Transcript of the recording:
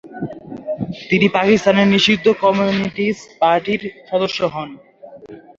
তিনি পাকিস্তানে নিষিদ্ধ কমিউনিস্ট পার্টির সম্পাদক হন।